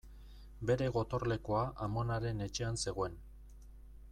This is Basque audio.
Bere gotorlekua amonaren etxean zegoen.